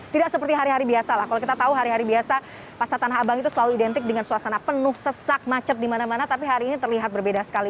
tidak seperti hari hari biasa lah kalau kita tahu hari hari biasa pasar tanah abang itu selalu identik dengan suasana penuh sesak macet di mana mana tapi hari ini terlihat berbeda sekali